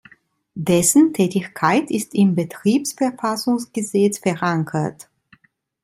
Dessen Tätigkeit ist im Betriebsverfassungsgesetz verankert.